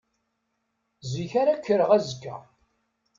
Zik ara kkreɣ azekka.